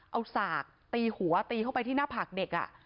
เอาสากตีหัวตีเข้าไปที่หน้าผากเด็ก